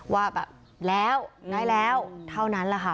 ว่าแบบแล้วได้แล้วเท่านั้นแหละค่ะ